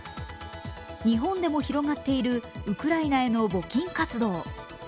日本でも広がっているウクライナへの募金活動。